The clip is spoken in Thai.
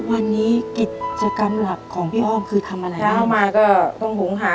ทุกวันนี้กิจกรรมหลักของพี่อ้อมคือทำอะไรนะ